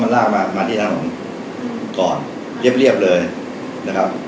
เพราะมันลากมาที่ถนมก่อนเรียบเลยนะครับ